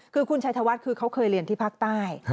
คือคุณชัยธวัฒน์เคยเรียนที่พักใต้